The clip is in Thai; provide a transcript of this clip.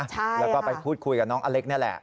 แล้วก็ไปพูดคุยกับน้องอเล็กนี่แหละ